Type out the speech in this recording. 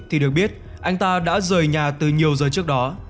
thì được biết anh ta đã rời nhà từ nhiều giờ trước đó